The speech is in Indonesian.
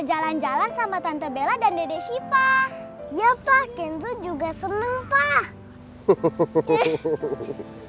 jalan jalan sama tante bella dan dede siva ya pak kenzo juga seneng pak